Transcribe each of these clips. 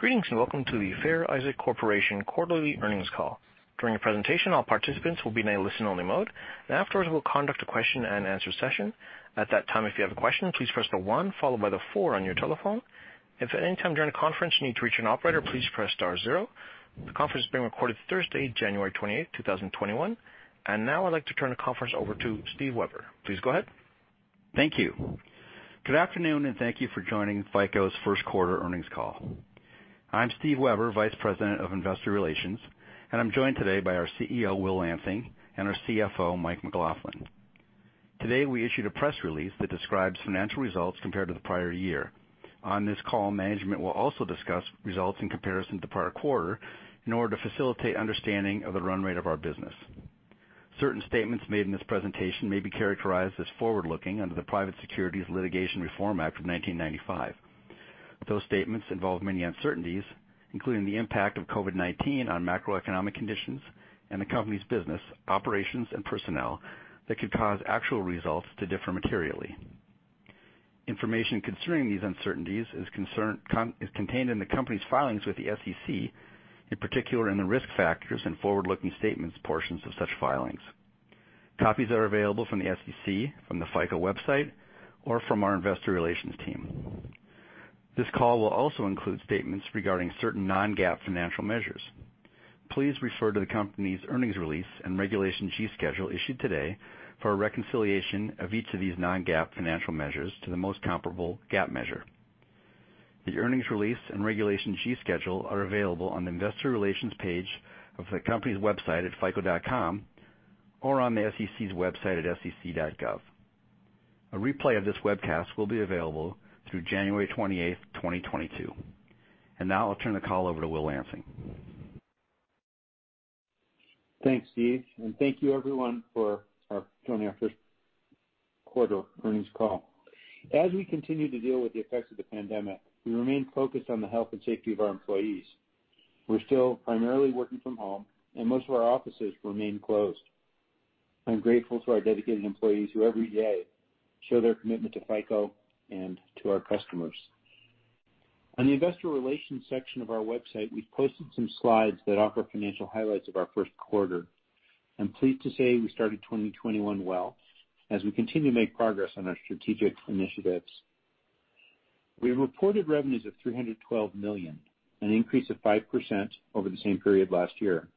Greetings, and welcome to the Fair Isaac Corporation quarterly earnings call. During a presentation, all participants will be made listen-only mode. Now, we'll conduct a question-and-answer session. At that time, if you have a question, please press the one followed by the four on your telephone. If at any time during the conference you need to reach an operator, please press star zero. Conference is being recorded on Thursday, January 28th, 2021. And now I'd like to turn the conference over to Steve Weber. Please go ahead. Thank you. Good afternoon, and thank you for joining FICO's first quarter earnings call. I'm Steve Weber, Vice President of Investor Relations, and I'm joined today by our CEO, Will Lansing, and our CFO, Mike McLaughlin. Today, we issued a press release that describes financial results compared to the prior year. On this call, management will also discuss results in comparison to the prior quarter in order to facilitate understanding of the run rate of our business. Certain statements made in this presentation may be characterized as forward-looking under the Private Securities Litigation Reform Act of 1995. Those statements involve many uncertainties, including the impact of COVID-19 on macroeconomic conditions and the company's business, operations, and personnel that could cause actual results to differ materially. Information concerning these uncertainties is contained in the company's filings with the SEC, in particular in the risk factors and forward-looking statements portions of such filings. Copies are available from the SEC, from the FICO website, or from our investor relations team. This call will also include statements regarding certain non-GAAP financial measures. Please refer to the company's earnings release and Regulation G schedule issued today for a reconciliation of each of these non-GAAP financial measures to the most comparable GAAP measure. The earnings release and Regulation G schedule are available on the investor relations page of the company's website at fico.com or on the SEC's website at sec.gov. A replay of this webcast will be available through January 28th, 2022. Now I'll turn the call over to Will Lansing. Thanks, Steve, and thank you everyone for joining our first quarter earnings call. As we continue to deal with the effects of the pandemic, we remain focused on the health and safety of our employees. We're still primarily working from home, and most of our offices remain closed. I'm grateful to our dedicated employees who every day show their commitment to FICO and to our customers. On the investor relations section of our website, we've posted some slides that offer financial highlights of our first quarter. I'm pleased to say we started 2021 well as we continue to make progress on our strategic initiatives. We have reported revenues of $312 million, an increase of 5% over the same period last year.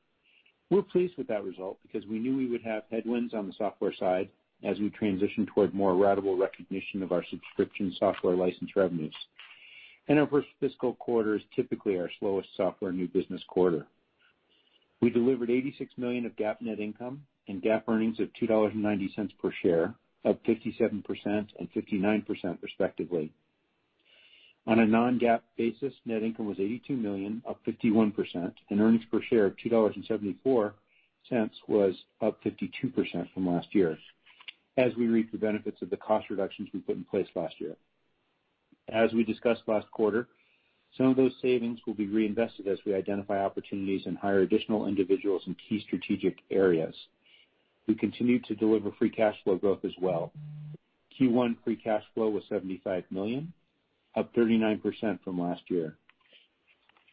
We're pleased with that result because we knew we would have headwinds on the software side as we transition toward more ratable recognition of our subscription software license revenues. Our first fiscal quarter is typically our slowest software new business quarter. We delivered $86 million of GAAP net income and GAAP earnings of $2.90 per share, up 57% and 59%, respectively. On a non-GAAP basis, net income was $82 million, up 51%, and earnings per share of $2.74 was up 52% from last year as we reap the benefits of the cost reductions we put in place last year. As we discussed last quarter, some of those savings will be reinvested as we identify opportunities and hire additional individuals in key strategic areas. We continue to deliver free cash flow growth as well. Q1 free cash flow was $75 million, up 39% from last year.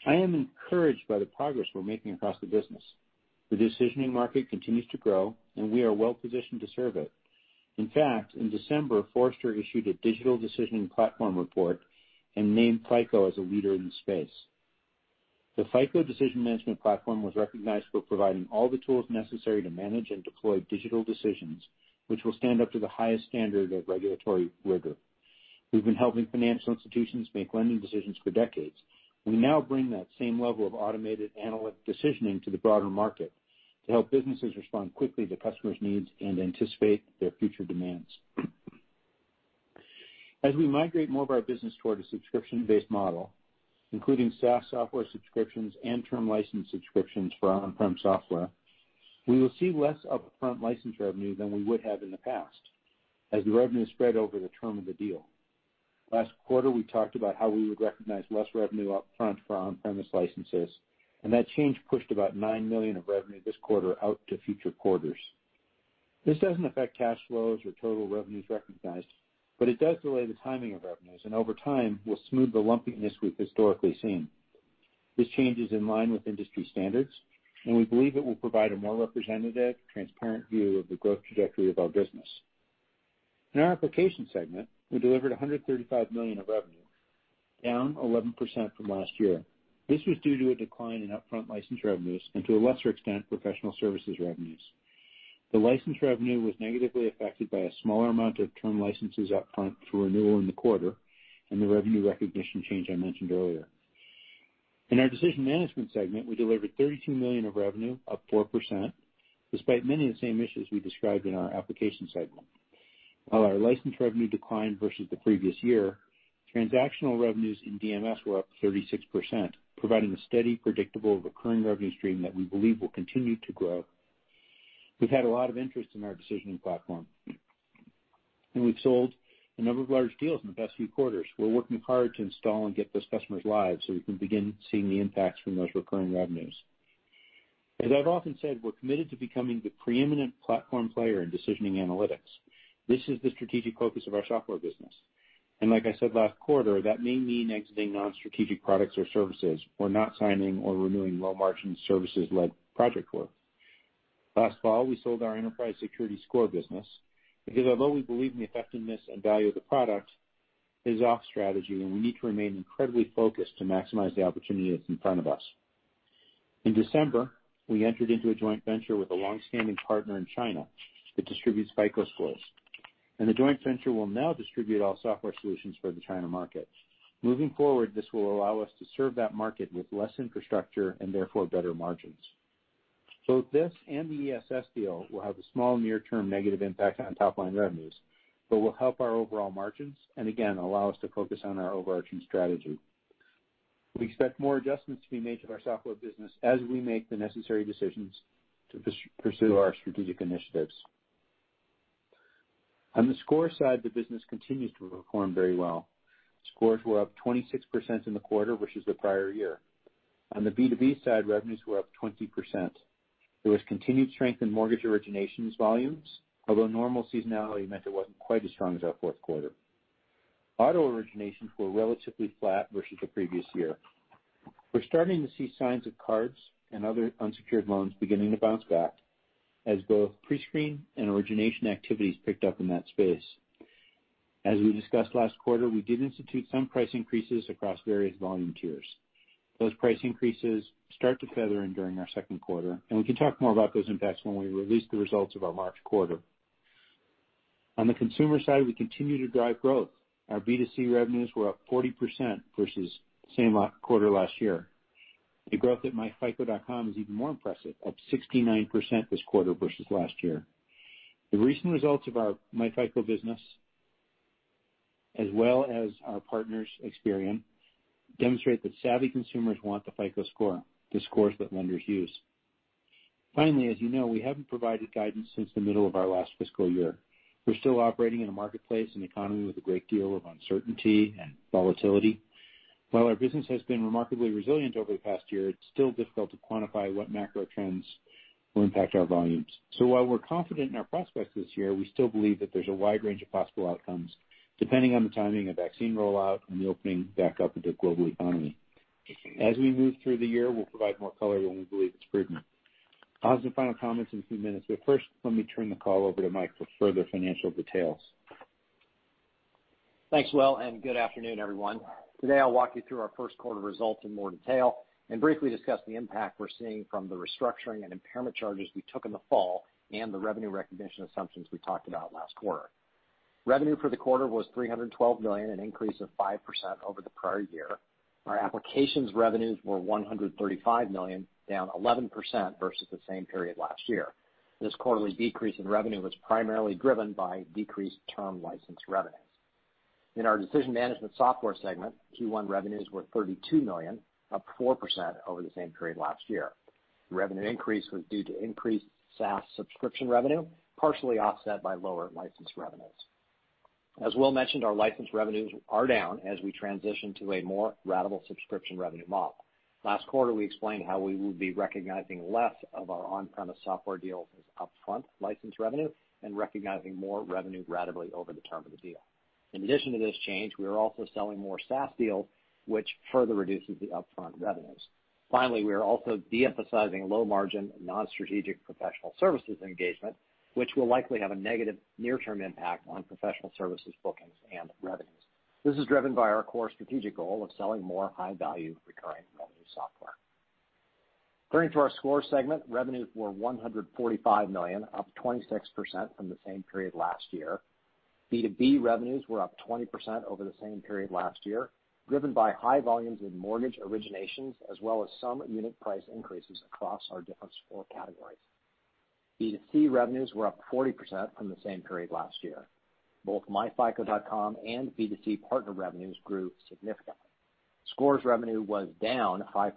I am encouraged by the progress we're making across the business. The decisioning market continues to grow, and we are well-positioned to serve it. In fact, in December, Forrester issued a digital decisioning platform report and named FICO as a leader in the space. The FICO Decision Management Platform was recognized for providing all the tools necessary to manage and deploy digital decisions, which will stand up to the highest standard of regulatory rigor. We've been helping financial institutions make lending decisions for decades. We now bring that same level of automated analytic decisioning to the broader market to help businesses respond quickly to customers' needs and anticipate their future demands. As we migrate more of our business toward a subscription-based model, including SaaS software subscriptions and term license subscriptions for on-prem software, we will see less upfront license revenue than we would have in the past, as the revenue is spread over the term of the deal. Last quarter, we talked about how we would recognize less revenue up front for our on-premise licenses. That change pushed about $9 million of revenue this quarter out to future quarters. This doesn't affect cash flows or total revenues recognized. It does delay the timing of revenues, and over time, will smooth the lumpiness we've historically seen. This change is in line with industry standards. We believe it will provide a more representative, transparent view of the growth trajectory of our business. In our application segment, we delivered $135 million of revenue, down 11% from last year. This was due to a decline in upfront license revenues and, to a lesser extent, professional services revenues. The license revenue was negatively affected by a smaller amount of term licenses up front for renewal in the quarter and the revenue recognition change I mentioned earlier. In our Decision Management segment, we delivered $32 million of revenue, up 4%, despite many of the same issues we described in our application segment. While our license revenue declined versus the previous year, transactional revenues in DMS were up 36%, providing a steady, predictable, recurring revenue stream that we believe will continue to grow. We've had a lot of interest in our decisioning platform, and we've sold a number of large deals in the past few quarters. We're working hard to install and get those customers live so we can begin seeing the impacts from those recurring revenues. As I've often said, we're committed to becoming the preeminent platform player in decisioning analytics. This is the strategic focus of our software business. Like I said last quarter, that may mean exiting non-strategic products or services or not signing or renewing low-margin services like project work. Last fall, we sold our FICO Enterprise Security Score business because although we believe in the effectiveness and value of the product, it is off strategy, and we need to remain incredibly focused to maximize the opportunity that's in front of us. In December, we entered into a joint venture with a long-standing partner in China that distributes FICO Scores, and the joint venture will now distribute all software solutions for the China market. Moving forward, this will allow us to serve that market with less infrastructure and therefore better margins. Both this and the ESS deal will have a small near-term negative impact on top-line revenues, but will help our overall margins and again allow us to focus on our overarching strategy. We expect more adjustments to be made to our software business as we make the necessary decisions to pursue our strategic initiatives. On the score side, the business continues to perform very well. Scores were up 26% in the quarter versus the prior year. On the B2B side, revenues were up 20%. There was continued strength in mortgage originations volumes, although normal seasonality meant it wasn't quite as strong as our fourth quarter. Auto originations were relatively flat versus the previous year. We're starting to see signs of cards and other unsecured loans beginning to bounce back as both prescreen and origination activities picked up in that space. As we discussed last quarter, we did institute some price increases across various volume tiers. Those price increases start to feather in during our second quarter, and we can talk more about those impacts when we release the results of our March quarter. On the consumer side, we continue to drive growth. Our B2C revenues were up 40% versus same quarter last year. The growth at myFICO.com is even more impressive, up 69% this quarter versus last year. The recent results of our myFICO business, as well as our partners Experian, demonstrate that savvy consumers want the FICO Score, the scores that lenders use. Finally, as you know, we haven't provided guidance since the middle of our last fiscal year. We're still operating in a marketplace and economy with a great deal of uncertainty and volatility. While our business has been remarkably resilient over the past year, it's still difficult to quantify what macro trends will impact our volumes. While we're confident in our prospects this year, we still believe that there's a wide range of possible outcomes depending on the timing of vaccine rollout and the opening back up of the global economy. As we move through the year, we'll provide more color when we believe it's prudent. I'll have some final comments in a few minutes. First, let me turn the call over to Mike for further financial details. Thanks, Will. Good afternoon, everyone. Today, I'll walk you through our first quarter results in more detail and briefly discuss the impact we're seeing from the restructuring and impairment charges we took in the fall and the revenue recognition assumptions we talked about last quarter. Revenue for the quarter was $312 million, an increase of 5% over the prior year. Our applications revenues were $135 million, down 11% versus the same period last year. This quarterly decrease in revenue was primarily driven by decreased term license revenues. In our decision management software segment, Q1 revenues were $32 million, up 4% over the same period last year. Revenue increase was due to increased SaaS subscription revenue, partially offset by lower license revenues. As Will mentioned, our license revenues are down as we transition to a more ratable subscription revenue model. Last quarter, we explained how we will be recognizing less of our on-premise software deals as upfront license revenue and recognizing more revenue ratably over the term of the deal. In addition to this change, we are also selling more SaaS deals, which further reduces the upfront revenues. Finally, we are also de-emphasizing low-margin, non-strategic professional services engagement, which will likely have a negative near-term impact on professional services bookings and revenues. This is driven by our core strategic goal of selling more high-value recurring revenue software. Turning to our Score segment, revenues were $145 million, up 26% from the same period last year. B2B revenues were up 20% over the same period last year, driven by high volumes in Mortgage originations as well as some unit price increases across our different score categories. B2C revenues were up 40% from the same period last year. Both myFICO.com and B2C partner revenues grew significantly. Scores revenue was down 5%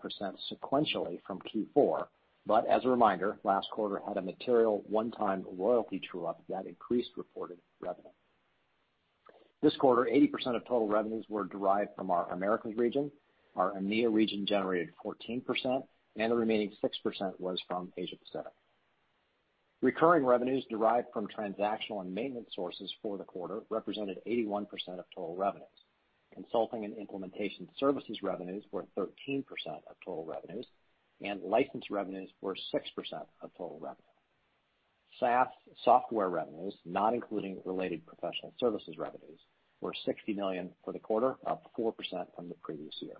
sequentially from Q4, but as a reminder, last quarter had a material one-time royalty true-up that increased reported revenue. This quarter, 80% of total revenues were derived from our Americas region, our EMEA region generated 14%, and the remaining 6% was from Asia Pacific. Recurring revenues derived from transactional and maintenance sources for the quarter represented 81% of total revenues. Consulting and implementation services revenues were 13% of total revenues, and license revenues were 6% of total revenues. SaaS software revenues, not including related professional services revenues, were $60 million for the quarter, up 4% from the previous year.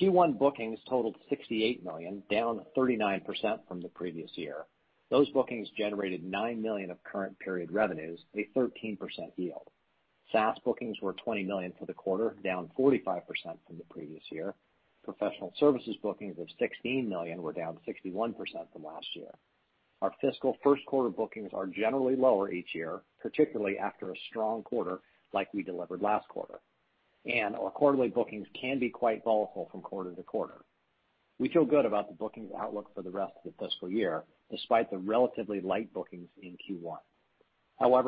Q1 bookings totaled $68 million, down 39% from the previous year. Those bookings generated $9 million of current period revenues, a 13% yield. SaaS bookings were $20 million for the quarter, down 45% from the previous year. Professional services bookings of $16 million were down 61% from last year. Our fiscal first quarter bookings are generally lower each year, particularly after a strong quarter like we delivered last quarter, and our quarterly bookings can be quite volatile from quarter-to-quarter. We feel good about the bookings outlook for the rest of the fiscal year, despite the relatively light bookings in Q1.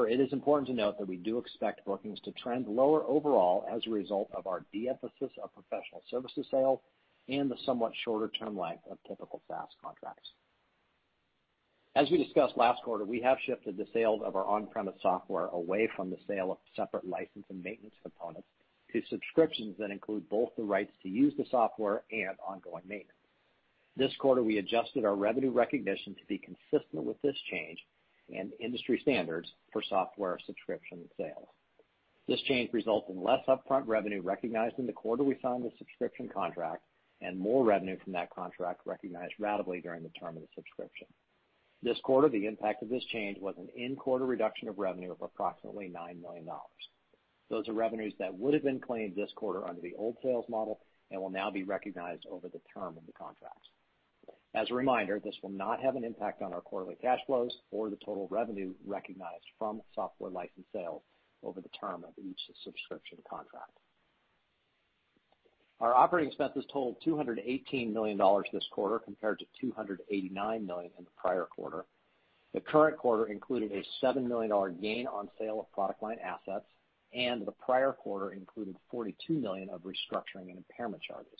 It is important to note that we do expect bookings to trend lower overall as a result of our de-emphasis of professional services sale and the somewhat shorter term length of typical SaaS contracts. As we discussed last quarter, we have shifted the sales of our on-premise software away from the sale of separate license and maintenance components to subscriptions that include both the rights to use the software and ongoing maintenance. This quarter, we adjusted our revenue recognition to be consistent with this change and industry standards for software subscription sales. This change results in less upfront revenue recognized in the quarter we signed the subscription contract and more revenue from that contract recognized ratably during the term of the subscription. This quarter, the impact of this change was an in-quarter reduction of revenue of approximately $9 million. Those are revenues that would've been claimed this quarter under the old sales model and will now be recognized over the term of the contract. As a reminder, this will not have an impact on our quarterly cash flows or the total revenue recognized from software license sales over the term of each subscription contract. Our operating expenses totaled $218 million this quarter, compared to $289 million in the prior quarter. The current quarter included a $7 million gain on sale of product line assets, and the prior quarter included $42 million of restructuring and impairment charges.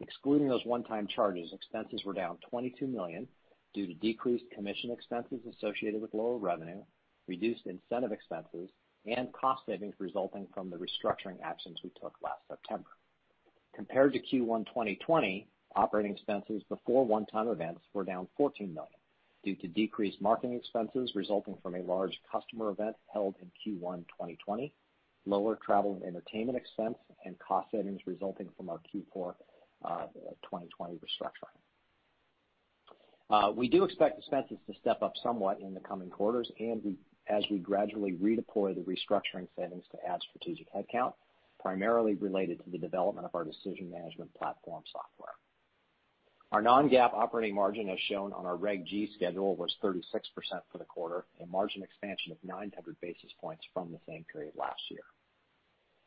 Excluding those one-time charges, expenses were down $22 million due to decreased commission expenses associated with lower revenue, reduced incentive expenses, and cost savings resulting from the restructuring actions we took last September. Compared to Q1 2020, operating expenses before one-time events were down $14 million due to decreased marketing expenses resulting from a large customer event held in Q1 2020, lower travel and entertainment expense, and cost savings resulting from our Q4 2020 restructuring. We do expect expenses to step up somewhat in the coming quarters, as we gradually redeploy the restructuring savings to add strategic headcount, primarily related to the development of our Decision Management Platform software. Our non-GAAP operating margin, as shown on our Reg G schedule, was 36% for the quarter, a margin expansion of 900 basis points from the same period last year.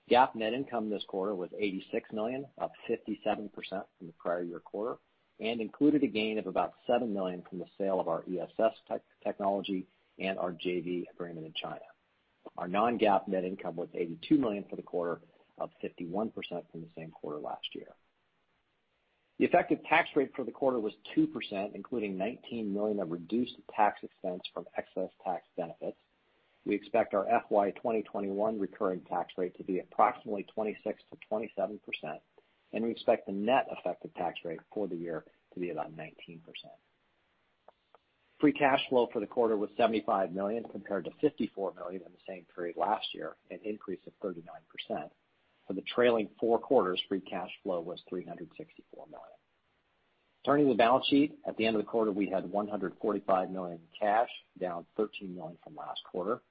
GAAP net income this quarter was $86 million, up 57% from the prior year quarter, and included a gain of about $7 million from the sale of our ESS technology and our JV agreement in China. Our non-GAAP net income was $82 million for the quarter, up 51% from the same quarter last year. The effective tax rate for the quarter was 2%, including $19 million of reduced tax expense from excess tax benefits. We expect our FY 2021 recurring tax rate to be approximately 26%-27%. We expect the net effective tax rate for the year to be about 19%. Free cash flow for the quarter was $75 million compared to $54 million in the same period last year, an increase of 39%. For the trailing four quarters, free cash flow was $364 million. Turning to the balance sheet, at the end of the quarter, we had $145 million in cash, down $13 million from last quarter.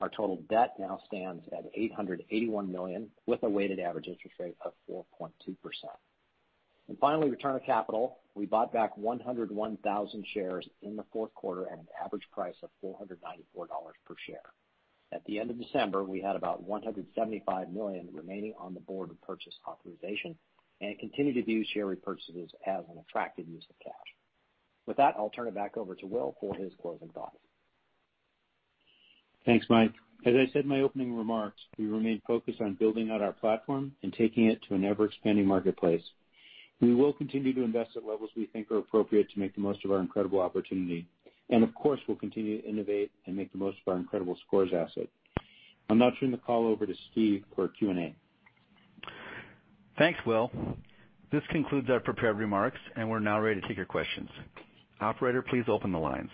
Our total debt now stands at $881 million, with a weighted average interest rate of 4.2%. Finally, return of capital. We bought back 101,000 shares in the fourth quarter at an average price of $494 per share. At the end of December, we had about $175 million remaining on the board of purchase authorization and continue to view share repurchases as an attractive use of cash. With that, I'll turn it back over to Will for his closing thoughts. Thanks, Mike. As I said in my opening remarks, we remain focused on building out our platform and taking it to an ever-expanding marketplace. We will continue to invest at levels we think are appropriate to make the most of our incredible opportunity. Of course, we'll continue to innovate and make the most of our incredible FICO Scores asset. I'll now turn the call over to Steve for Q&A. Thanks, Will. This concludes our prepared remarks. We're now ready to take your questions. Operator, please open the lines.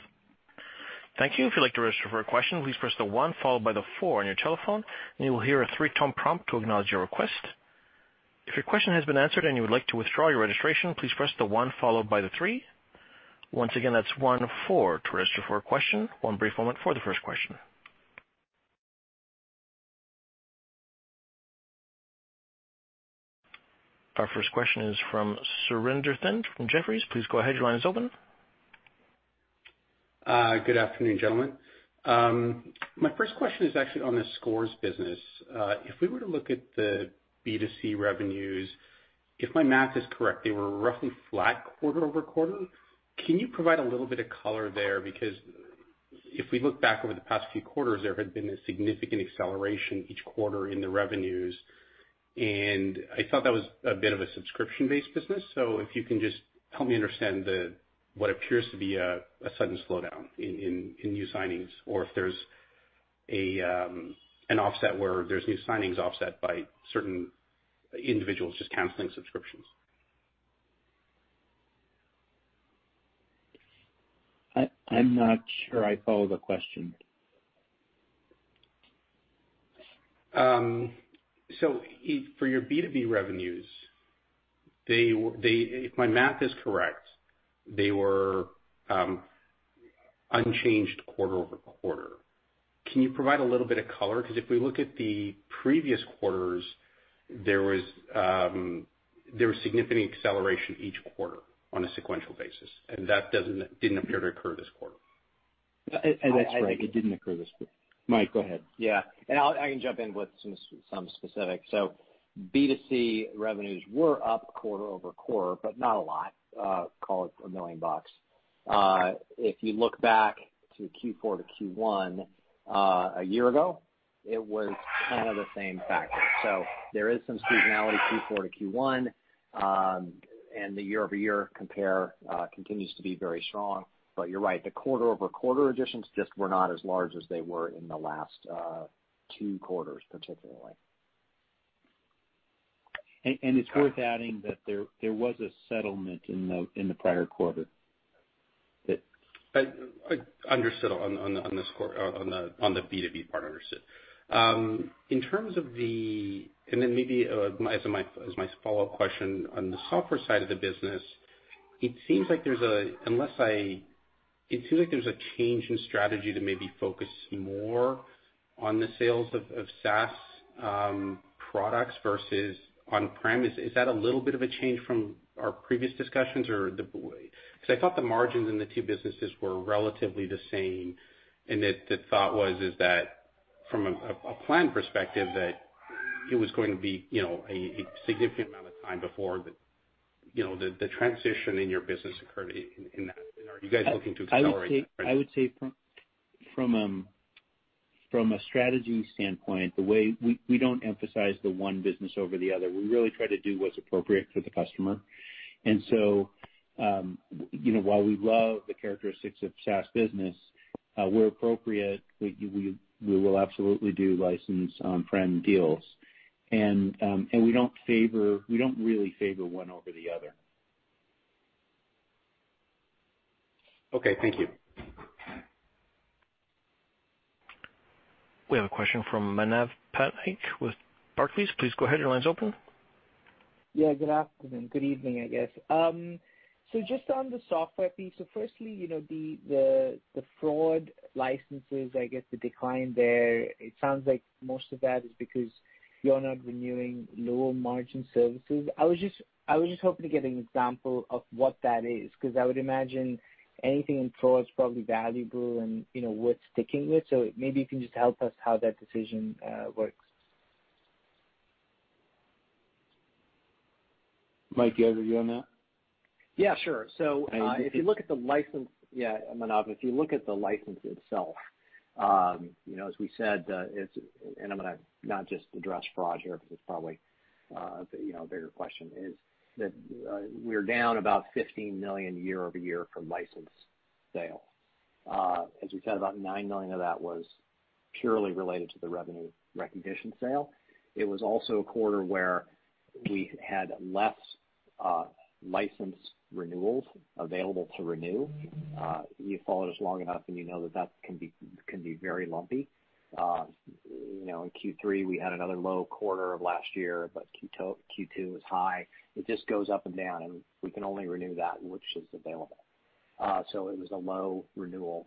Thank you. If you'd like to register for a question, please press the one followed by the four on your telephone, and you will hear a three-tone prompt to acknowledge your request. If your question has been answered and you would like to withdraw your registration, please press the one followed by three. Once again, that's one-four to register for a question. One brief moment for the first question. Our first question is from Surinder Thind from Jefferies. Please go ahead. Your line is open. Good afternoon, gentlemen. My first question is actually on the Scores business. If we were to look at the B2C revenues, if my math is correct, they were roughly flat quarter-over-quarter. Can you provide a little bit of color there? If we look back over the past few quarters, there had been a significant acceleration each quarter in the revenues, and I thought that was a bit of a subscription-based business. If you can just help me understand the, what appears to be a sudden slowdown in new signings, or if there's an offset where there are new signings offset by certain individuals just canceling subscriptions. I'm not sure I follow the question. For your B2B revenues, if my math is correct, they were unchanged quarter-over-quarter. Can you provide a little bit of color? Because if we look at the previous quarters, there was significant acceleration each quarter on a sequential basis, and that didn't appear to occur this quarter. That's right. It didn't occur this quarter. Mike, go ahead. I can jump in with some specifics. B2C revenues were up quarter-over-quarter, but not a lot. Call it $1 million. If you look back to Q4 to Q1 a year ago, it was kind of the same factor. There is some seasonality Q4 to Q1, and the year-over-year compare continues to be very strong. You're right, the quarter-over-quarter additions just were not as large as they were in the last two quarters, particularly. It's worth adding that there was a settlement in the prior quarter. I understood on the B2B part, understood. Maybe as my follow-up question on the software side of the business, it seems like there's a change in strategy to maybe focus more on the sales of SaaS products versus on-premise. Is that a little bit of a change from our previous discussions or the way, because I thought the margins in the two businesses were relatively the same, and that the thought was is that from a planned perspective, that it was going to be a significant amount of time before the transition in your business occurred in that. Are you guys looking to accelerate that? From a strategy standpoint, we don't emphasize the one business over the other. We really try to do what's appropriate for the customer. You know, while we love the characteristics of SaaS business, where appropriate, we will absolutely do license on-prem deals. We don't really favor one over the other. Okay. Thank you. We have a question from Manav Patnaik with Barclays. Please go ahead. Your line's open. Good afternoon. Good evening, I guess. Just on the software piece, firstly, you know, the, the fraud licenses, I guess the decline there, it sounds like most of that is because you're not renewing lower margin services. I was just hoping to get an example of what that is, 'cause I would imagine anything in fraud is probably valuable and, you know, worth sticking with. Maybe you can just help us how that decision works. Mike, you have a view on that? Yeah, sure. And- Yeah, Manav. If you look at the license itself, you know, as we said, I'm gonna not just address fraud here because it's probably, you know, a bigger question, is that we're down about $15 million year-over-year from license sales. As we said, about $9 million of that was purely related to the revenue recognition sale. It was also a quarter where we had less license renewals available to renew. You followed us long enough, you know that that can be very lumpy. You know, in Q3 we had another low quarter of last year, but Q2 was high. It just goes up and down, we can only renew that which is available. It was a low renewal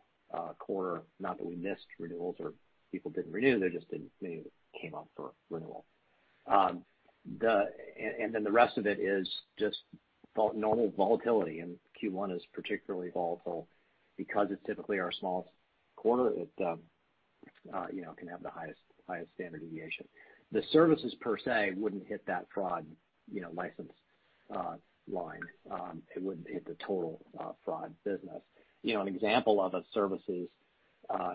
quarter, not that we missed renewals or people didn't renew, there just didn't many that came up for renewal. The rest of it is just normal volatility, and Q1 is particularly volatile because it's typically our smallest quarter. It, you know, can have the highest standard deviation. The services per se wouldn't hit that fraud, you know, license line. It wouldn't hit the total fraud business. You know, an example of a services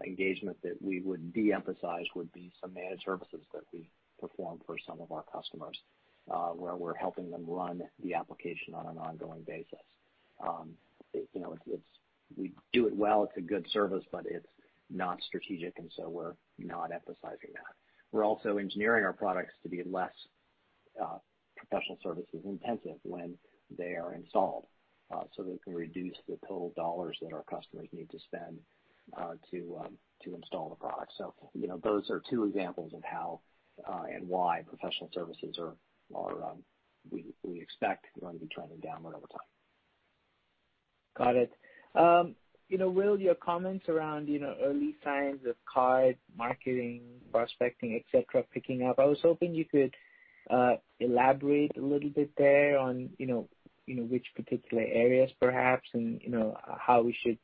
engagement that we would de-emphasize would be some managed services that we perform for some of our customers, where we're helping them run the application on an ongoing basis. You know, it's. We do it well, it's a good service, but it's not strategic, and so we're not emphasizing that. We're also engineering our products to be less professional services intensive when they are installed so that we can reduce the total dollars that our customers need to spend to install the product. You know, those are two examples of how and why professional services are, we expect are going to be trending downward over time. Got it. You know, Will, your comments around, you know, early signs of card marketing, prospecting, et cetera, picking up, I was hoping you could elaborate a little bit there on, you know, which particular areas perhaps and, you know, how we should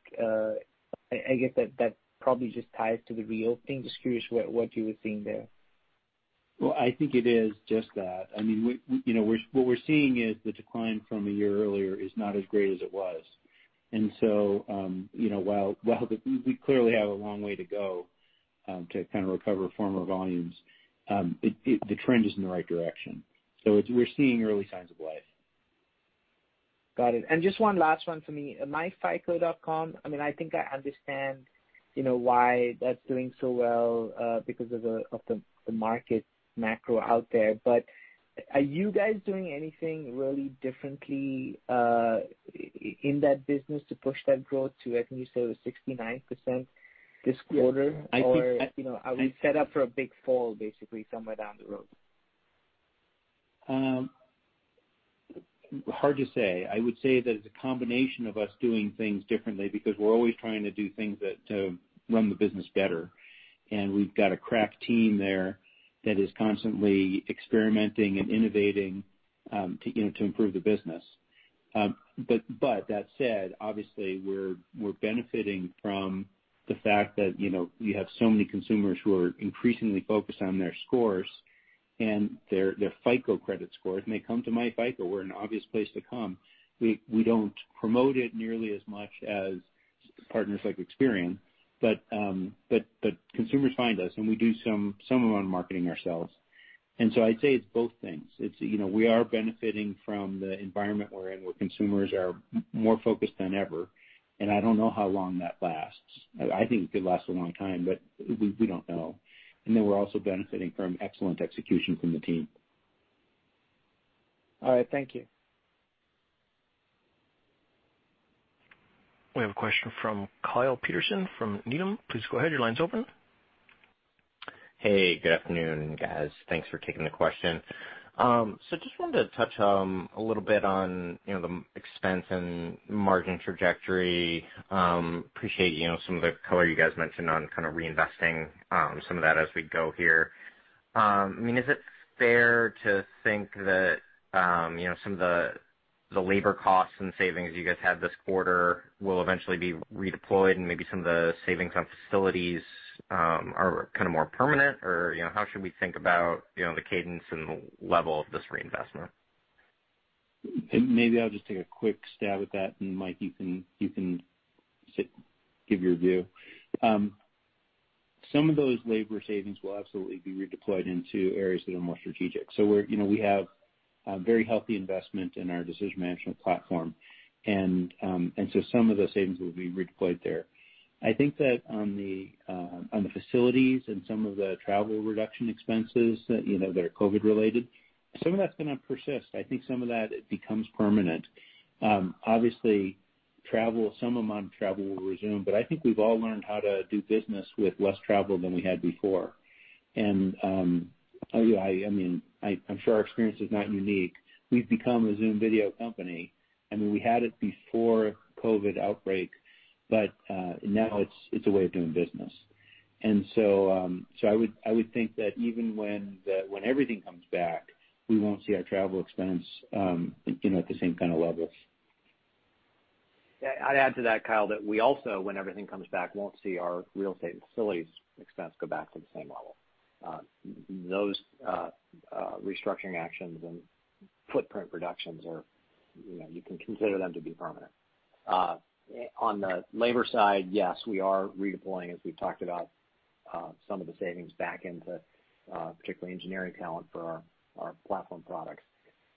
I guess, that probably just ties to the reopening. Just curious what you were seeing there? Well, I think it is just that. I mean, we, you know, what we're seeing is the decline from a year earlier is not as great as it was. You know, while we clearly have a long way to go to kind of recover former volumes, the trend is in the right direction. We're seeing early signs of life. Got it. Just one last one for me. myfico.com, I mean, I think I understand, you know, why that's doing so well because of the market macro out there. Are you guys doing anything really differently in that business to push that growth to, I think you said it was 69% this quarter? Yes. You know, are we set up for a big fall basically somewhere down the road? Hard to say. I would say that it's a combination of us doing things differently because we're always trying to do things that run the business better. We've got a crack team there that is constantly experimenting and innovating, to, you know, to improve the business. That said, obviously, we're benefiting from the fact that, you know, we have so many consumers who are increasingly focused on their scores. Their FICO credit score, and they come to myFICO. We're an obvious place to come. We don't promote it nearly as much as partners like Experian, but consumers find us, and we do some of our own marketing ourselves. I'd say it's both things. It's, you know, we are benefiting from the environment we're in, where consumers are more focused than ever, and I don't know how long that lasts. I think it could last a long time, but we don't know. We're also benefiting from excellent execution from the team. All right. Thank you. We have a question from Kyle Peterson from Needham. Please go ahead, your line's open. Hey, good afternoon, guys. Thanks for taking the question. Just wanted to touch a little bit on, you know, the expense and margin trajectory. Appreciate, you know, some of the color you guys mentioned on kind of reinvesting some of that as we go here. I mean, is it fair to think that, you know, some of the labor costs and savings you guys had this quarter will eventually be redeployed, and maybe some of the savings on facilities are kind of more permanent? You know, how should we think about, you know, the cadence and the level of this reinvestment? Maybe I'll just take a quick stab at that. Mike, you can give your view. Some of those labor savings will absolutely be redeployed into areas that are more strategic. We're, you know, we have a very healthy investment in our FICO Decision Management Platform. Some of the savings will be redeployed there. I think that on the facilities and some of the travel reduction expenses that, you know, that are COVID-related, some of that's gonna persist. I think some of that becomes permanent. Obviously, travel, some amount of travel will resume, but I think we've all learned how to do business with less travel than we had before. I mean, I'm sure our experience is not unique. We've become a Zoom Video company. I mean, we had it before COVID outbreak, now it's a way of doing business. I would think that even when everything comes back, we won't see our travel expense, you know, at the same kind of levels. I'd add to that, Kyle, that we also, when everything comes back, won't see our real estate and facilities expense go back to the same level. Those restructuring actions and footprint reductions are, you know, you can consider them to be permanent. On the labor side, yes, we are redeploying, as we've talked about, some of the savings back into, particularly, engineering talent for our platform products.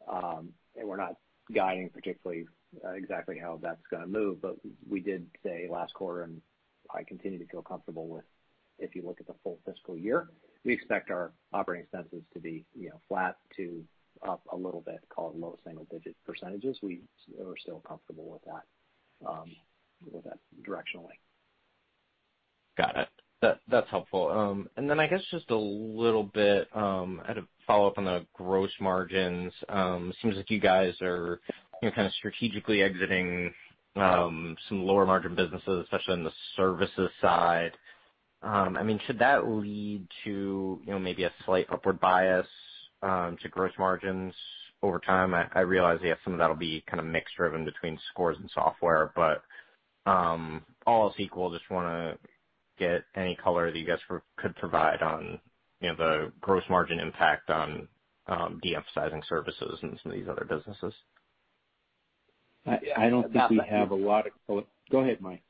And we're not guiding particularly exactly how that's gonna move. We did say last quarter, and I continue to feel comfortable with. If you look at the full fiscal year, we expect our operating expenses to be, you know, flat to up a little bit, call it low single-digit percentages. We are still comfortable with that, with that directionally. Got it. That's helpful. I guess just a little bit, I had a follow-up on the gross margins. Seems like you guys are, you know, kind of strategically exiting some lower margin businesses, especially on the services side. I mean, should that lead to, you know, maybe a slight upward bias to gross margins over time? I realize, yes, some of that'll be kind of mix-driven between Scores and software, but all else equal, just wanna get any color that you guys could provide on, you know, the gross margin impact on de-emphasizing services in some of these other businesses. I don't think we have a lot of color. Go ahead, Mike.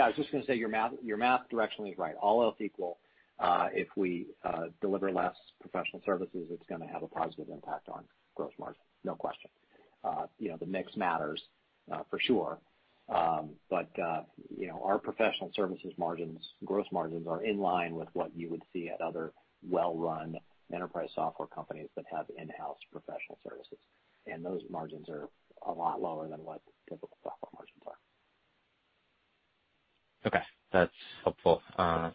I was just gonna say your math, your math directionally is right. All else equal, if we deliver less professional services, it's gonna have a positive impact on gross margin, no question. You know, the mix matters for sure. You know, our professional services margins, gross margins are in line with what you would see at other well-run enterprise software companies that have in-house professional services, and those margins are a lot lower than what typical software margins are. Okay. That's helpful.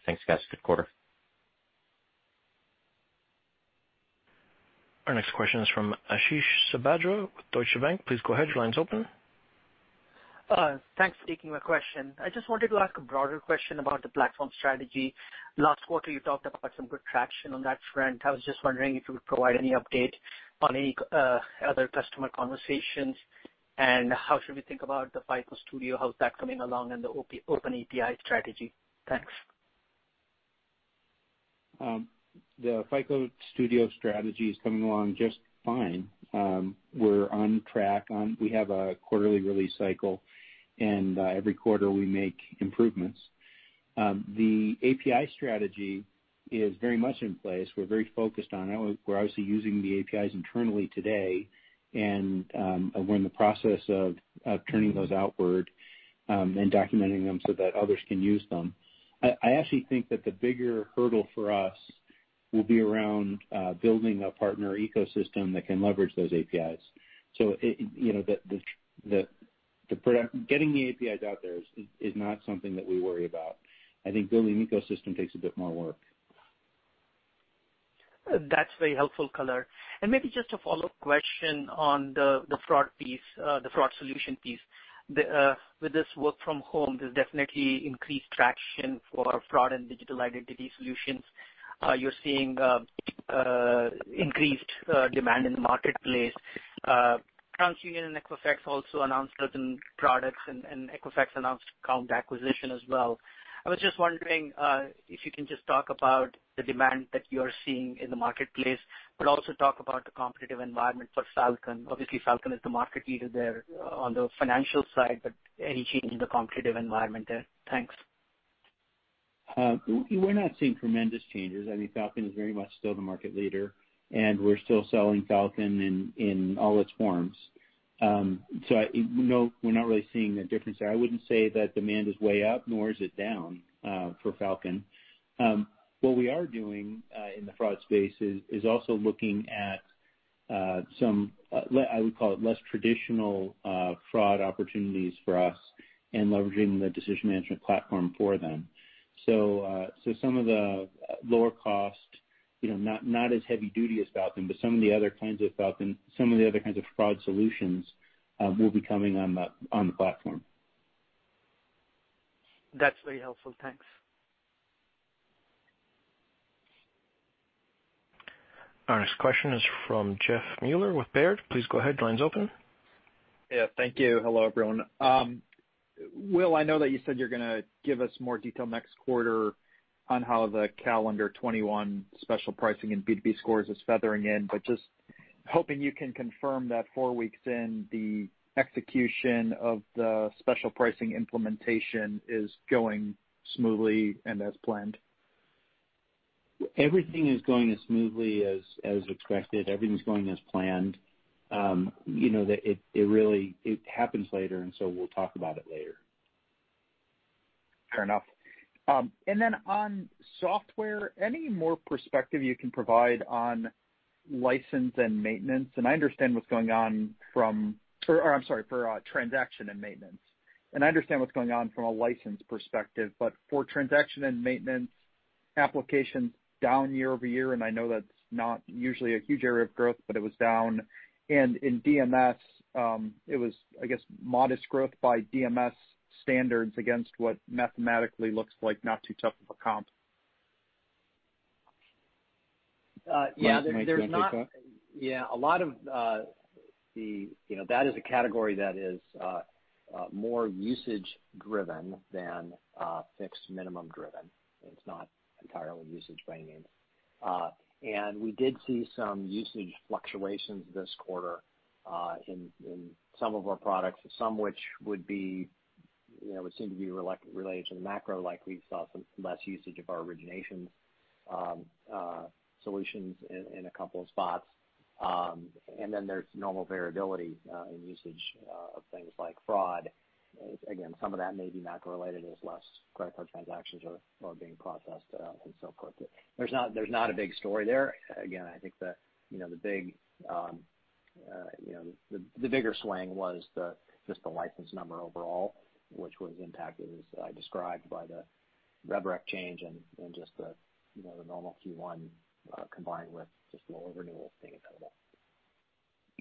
Thanks, guys. Good quarter. Our next question is from Ashish Sabadra with Deutsche Bank. Please go ahead, your line's open. Thanks for taking my question. I just wanted to ask a broader question about the platform strategy. Last quarter, you talked about some good traction on that front. I was just wondering if you would provide any update on any other customer conversations. How should we think about the FICO Studio, how's that coming along and the Open API strategy? Thanks. The FICO Studio strategy is coming along just fine. We're on track. We have a quarterly release cycle, every quarter we make improvements. The API strategy is very much in place. We're very focused on it. We're obviously using the APIs internally today, we're in the process of turning those outward, and documenting them so that others can use them. I actually think that the bigger hurdle for us will be around building a partner ecosystem that can leverage those APIs. You know, getting the APIs out there is not something that we worry about. I think building an ecosystem takes a bit more work. That's very helpful color. Maybe just a follow-up question on the fraud piece, the fraud solution piece. With this work from home, there's definitely increased traction for fraud and digital identity solutions. You're seeing increased demand in the marketplace. TransUnion and Equifax also announced certain products, and Equifax announced Kount acquisition as well. I was just wondering if you can just talk about the demand that you're seeing in the marketplace, but also talk about the competitive environment for Falcon. Obviously, Falcon is the market leader there on the financial side, but any change in the competitive environment there? Thanks. We're not seeing tremendous changes. I mean, Falcon is very much still the market leader, and we're still selling Falcon in all its forms. We know we're not really seeing a difference there. I wouldn't say that demand is way up, nor is it down for Falcon. What we are doing in the fraud space is also looking at some I would call it less traditional fraud opportunities for us and leveraging the Decision Management Platform for them. Some of the lower cost, you know, not as heavy duty as Falcon, but some of the other kinds of fraud solutions will be coming on the platform. That's very helpful. Thanks. Our next question is from Jeffrey Meuler with Baird. Please go ahead. Yeah, thank you. Hello, everyone. Will, I know that you said you're gonna give us more detail next quarter on how the calendar 2021 special pricing in B2B scores is feathering in, but just hoping you can confirm that four weeks in, the execution of the special pricing implementation is going smoothly and as planned? Everything is going as smoothly as expected. Everything's going as planned. you know, it really happens later. We'll talk about it later. Fair enough. Then, on software, any more perspective you can provide on license and maintenance? I understand what's going on from transaction and maintenance. I understand what's going on from a license perspective, but for transaction and maintenance applications down year-over-year, and I know that's not usually a huge area of growth, but it was down. In DMS, it was, I guess, modest growth by DMS standards against what mathematically looks like not too tough of a comp. Yeah. Mike, do you wanna take that? A lot of the... that is a category that is more usage-driven than fixed minimum-driven. It's not entirely usage by name. And we did see some usage fluctuations this quarter in some of our products, some of which would be, you know, would seem to be related to the macro, like we saw some less usage of our origination solutions in a couple of spots. And then there's normal variability in usage of things like fraud. Again, some of that may be macro-related, as less credit card transactions are being processed, and so forth. There's not, there's not a big story there. Again, I think the, you know, the big, you know, the bigger swing was the, just the license number overall, which was impacted, as I described, by the RevRec change and just the, you know, the normal Q1, combined with just lower renewals being available.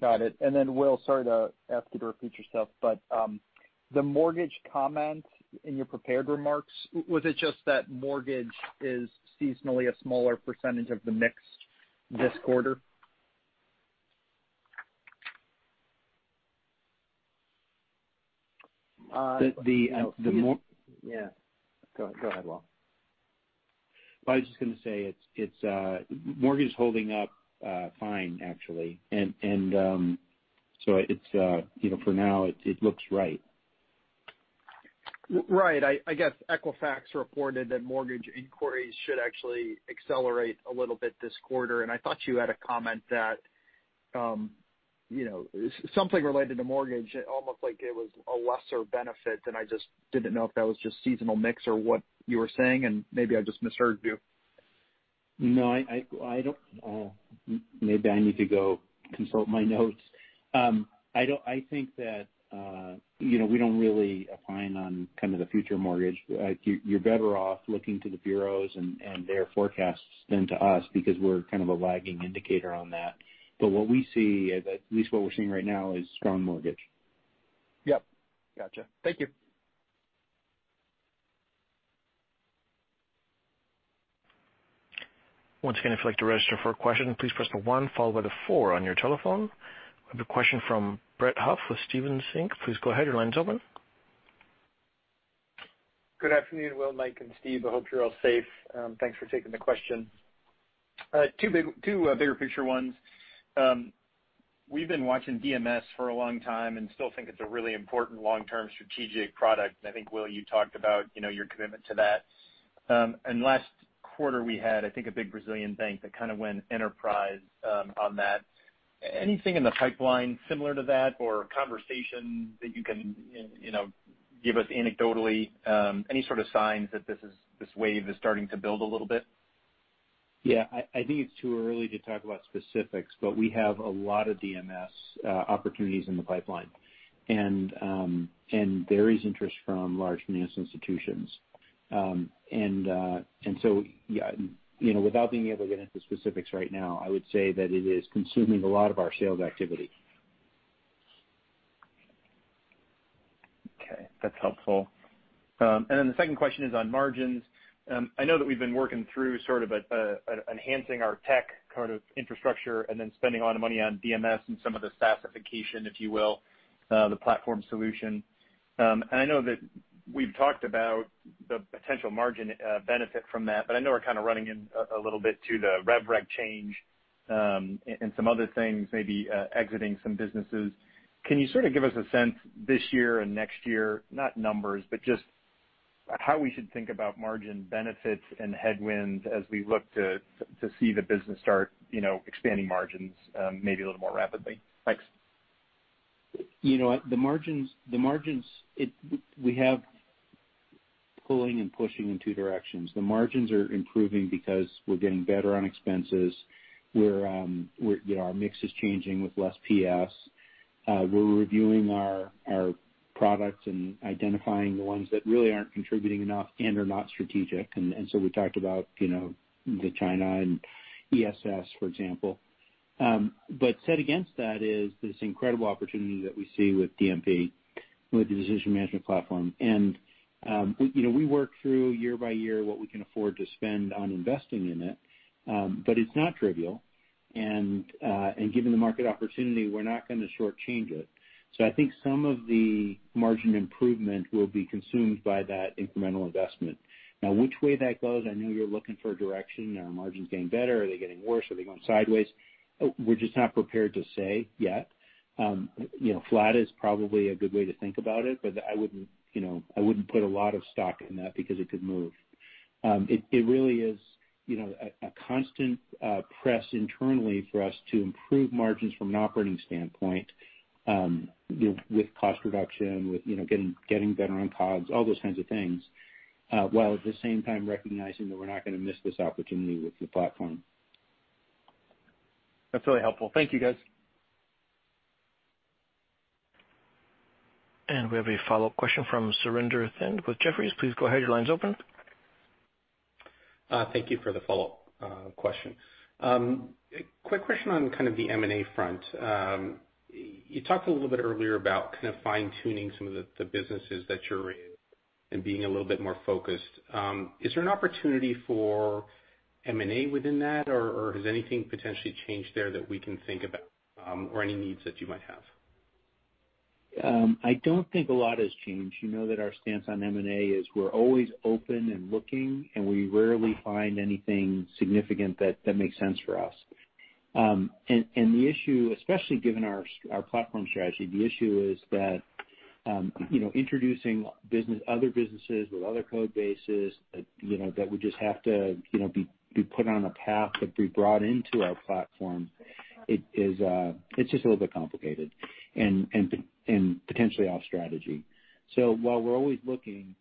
Got it. Will, sorry to ask you to repeat yourself, but the mortgage comment in your prepared remarks, was it just that Mortgage is seasonally a smaller percentage of the mix this quarter? Uh- The, the, uh, the mor- Yeah. Go ahead, Will. I was just gonna say it's Mortgage is holding up fine, actually. You know, for now, it looks right. Right. I guess Equifax reported that mortgage inquiries should actually accelerate a little bit this quarter, and I thought you had a comment that, you know, something related to Mortgage, almost like it was a lesser benefit than I just didn't know if that was just seasonal mix or what you were saying, and maybe I just misheard you. No, I don't, maybe I need to go consult my notes. I think that, you know, we don't really opine on kind of the future mortgage. You're better off looking to the bureaus and their forecasts than to us because we're kind of a lagging indicator on that. What we see, at least what we're seeing right now, is strong mortgage. Yep. Gotcha. Thank you. Once again, if you'd like to register for a question, please press the one followed by the four on your telephone. We have a question from Brett Huff with Stephens Inc. Please go ahead. Your line is open. Good afternoon, Will, Mike, and Steve. I hope you're all safe. Thanks for taking the question. Two bigger picture ones. We've been watching DMS for a long time and still think it's a really important long-term strategic product. I think, Will, you talked about, you know, your commitment to that. Last quarter, we had, I think, a big Brazilian bank that kind of went enterprise on that. Anything in the pipeline similar to that or conversations that you can, you know, give us anecdotally, any sort of signs that this wave is starting to build a little bit? Yeah. I think it's too early to talk about specifics, but we have a lot of DMS opportunities in the pipeline. There is interest from large finance institutions. Yeah, you know, without being able to get into specifics right now, I would say that it is consuming a lot of our sales activity. That's helpful. The second question is on margins. I know that we've been working through sort of enhancing our tech kind of infrastructure and then spending a lot of money on DMS and some of the SaaSification, if you will, the platform solution. I know that we've talked about the potential margin benefit from that, but I know we're kind of running in a little bit to the RevRec change and some other things, maybe exiting some businesses. Can you sort of give us a sense this year and next year, not numbers, but just how we should think about margin benefits and headwinds as we look to see the business start, you know, expanding margins, maybe a little more rapidly? Thanks. You know what? The margins, we have pulling and pushing in two directions. The margins are improving because we're getting better on expenses. We're, you know, our mix is changing with less PS. We're reviewing our products and identifying the ones that really aren't contributing enough and are not strategic. We talked about, you know, China and ESS, for example. Set against that is this incredible opportunity that we see with DMP, with the Decision Management Platform. We, you know, we work through year by year what we can afford to spend on investing in it. It's not trivial. Given the market opportunity, we're not gonna shortchange it. I think some of the margin improvement will be consumed by that incremental investment. Which way that goes, I know you're looking for direction. Are margins getting better? Are they getting worse? Are they going sideways? We're just not prepared to say yet. You know, flat is probably a good way to think about it, but I wouldn't, you know, I wouldn't put a lot of stock in that because it could move. It really is, you know, a constant press internally for us to improve margins from an operating standpoint, you know, with cost reduction, with, you know, getting better on COGS, all those kinds of things, while at the same time recognizing that we're not gonna miss this opportunity with the platform. That's really helpful. Thank you, guys. We have a follow-up question from Surinder Thind with Jefferies. Please go ahead. Your line's open. Thank you for the follow-up question. Quick question on kind of the M&A front. You talked a little bit earlier about kind of fine-tuning some of the businesses that you're in and being a little bit more focused. Is there an opportunity for M&A within that, or has anything potentially changed there that we can think about, or any needs that you might have? I don't think a lot has changed. You know that our stance on M&A is we're always open and looking, and we rarely find anything significant that makes sense for us. And the issue, especially given our platform strategy, the issue is that, you know, introducing other businesses with other code bases, you know, that would just have to, you know, be put on a path to be brought into our platform. It is, it's just a little bit complicated and potentially off strategy. While we're always looking,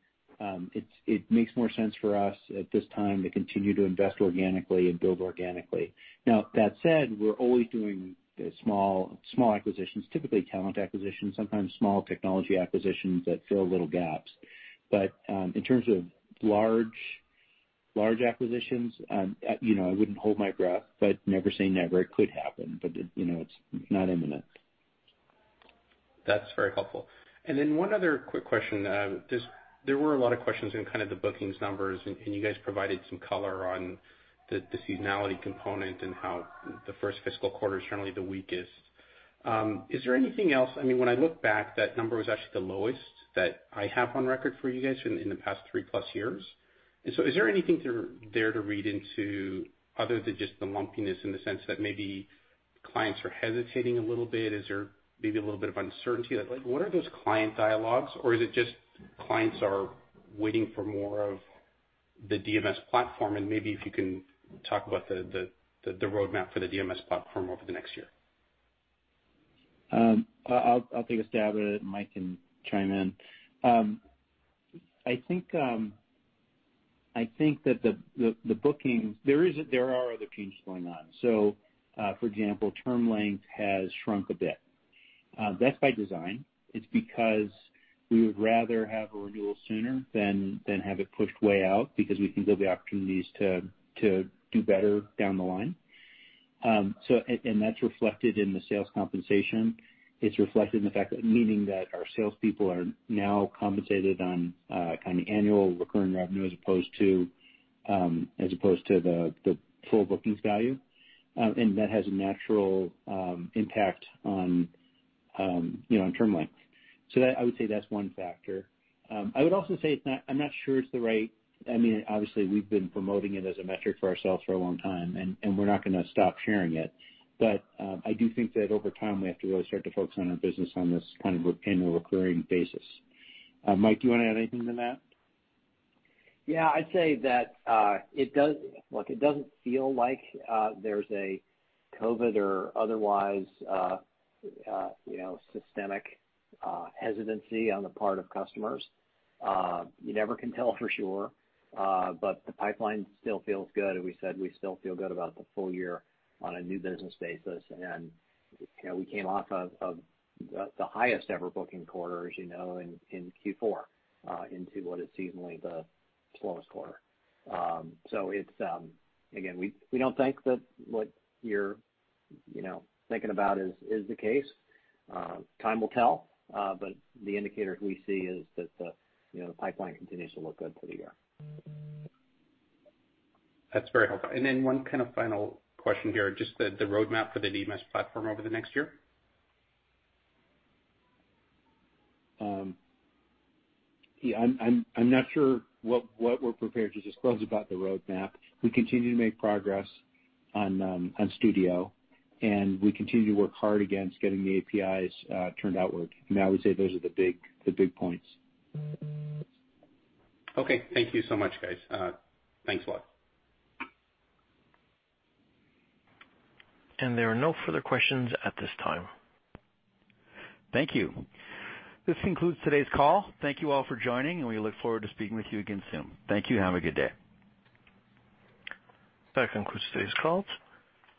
it makes more sense for us at this time to continue to invest organically and build organically. Now, that said, we're always doing small acquisitions, typically talent acquisitions, sometimes small technology acquisitions that fill little gaps. In terms of large acquisitions, you know, I wouldn't hold my breath, but never say never. It could happen, but it, you know, it's not imminent. That's very helpful. One other quick question. There were a lot of questions in kind of the bookings numbers, and you guys provided some color on the seasonality component and how the first fiscal quarter is generally the weakest. Is there anything else? I mean, when I look back, that number was actually the lowest that I have on record for you guys in the past three-plus years. Is there anything there to read into other than just the lumpiness in the sense that maybe clients are hesitating a little bit? Is there maybe a little bit of uncertainty? Like, what are those client dialogues, or is it just clients are waiting for more of the DMS platform? Maybe, if you can talk about the roadmap for the DMS platform over the next year. I'll take a stab at it, and Mike can chime in. I think that the bookings. There are other changes going on. For example, term length has shrunk a bit. That's by design. It's because we would rather have a renewal sooner than have it pushed way out because we think there'll be opportunities to do better down the line. And that's reflected in the sales compensation. It's reflected in the fact that meaning that our salespeople are now compensated on kind of annual recurring revenue as opposed to as opposed to the full bookings value. And that has a natural impact on, you know, on term length. I would say that's one factor. I would also say I'm not sure it's the right I mean, obviously, we've been promoting it as a metric for ourselves for a long time, and we're not gonna stop sharing it. I do think that over time, we have to really start to focus on our business on this kind of an annual recurring basis. Mike, do you wanna add anything to that? I'd say that it doesn't feel like there's a COVID or otherwise systemic hesitancy on the part of customers. You never can tell for sure, the pipeline still feels good. We said we still feel good about the full-year on a new business basis. We came off of the highest ever booking quarters in Q4 into what is seasonally the slowest quarter. It's again, we don't think that what you're thinking about is the case. Time will tell, the indicators we see is that the pipeline continues to look good for the year. That's very helpful. One kind of final question here, just the roadmap for the DMS platform over the next year. Yeah, I'm not sure what we're prepared to disclose about the roadmap. We continue to make progress on Studio, and we continue to work hard against getting the APIs turned outward. I would say those are the big points. Okay. Thank you so much, guys. Thanks a lot. There are no further questions at this time. Thank you. This concludes today's call. Thank you all for joining, and we look forward to speaking with you again soon. Thank you. Have a good day. That concludes today's call.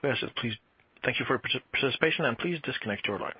Thank you for participation and please disconnect your line.